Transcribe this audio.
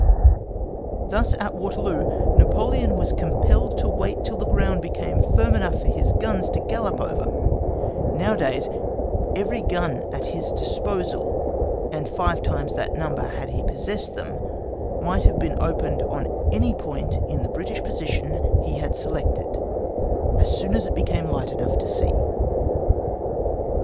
Thus, at Waterloo, Napoleon was compelled to wait till the ground became firm enough for his guns to gallop over; nowadays every gun at his disposal, and five times that number had he possessed them, might have opened on any point in the British position he had selected, as soon as it became light enough to see.